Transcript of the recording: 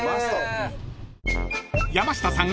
［山下さん